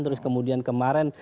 terus kemudian kemarin